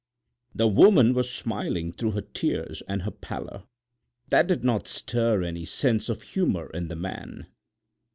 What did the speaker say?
The woman was smiling through her tears and her pallor. That did not stir any sense of humor in the man.